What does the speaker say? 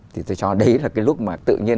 thì tôi cho đấy là cái lúc mà tự nhiên